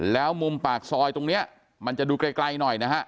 แล้วมุมปากซอยตรงนี้มันจะดูไกลหน่อยนะฮะ